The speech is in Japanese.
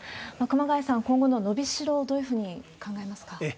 熊谷さん、今後の伸びしろをどういうふうに考えますか？